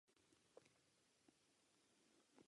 Následně poslední přízrak zmizí.